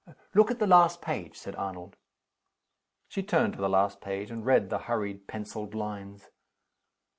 "Look at the last page," said Arnold. She turned to the last page, and read the hurried penciled lines.